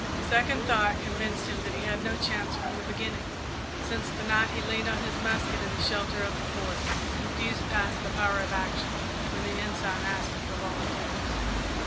Second thought convinced him that he had had no chance from the beginning since the night he leaned on his musket in the shelter of the Fort; confused past the power of action, when the Ensign asked for volunteers.